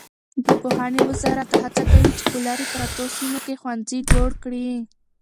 د پوهنې وزارت هڅه کوي چې په لیرې پرتو سیمو کې ښوونځي جوړ کړي.